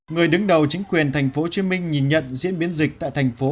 người đứng đầu chính quyền tp hcm nhìn nhận diễn biến dịch tại thành phố